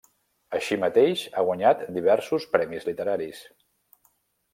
Així mateix, ha guanyat diversos premis literaris.